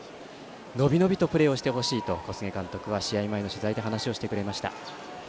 伸び伸びとプレーをしてほしいと小菅監督は試合前の取材で話をしてくれました。